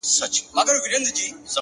وړتیا له تمرین سره غوړیږي!